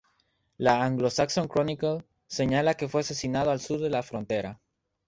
La "Anglo-Saxon Chronicle" señala que fue asesinado "al sur de la frontera".